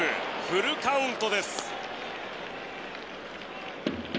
フルカウントです。